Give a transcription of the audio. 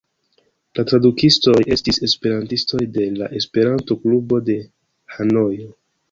La tradukistoj estis esperantistoj de la Esperanto-klubo de Hanojo.